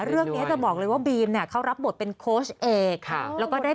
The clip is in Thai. เรื่องนี้จะบอกเลยว่าบีมเนี่ยเขารับบทเป็นโค้ชเอกค่ะแล้วก็ได้